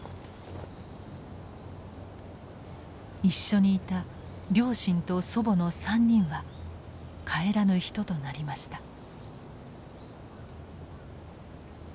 一緒にいた両親と祖母の３人は帰らぬ人となりました。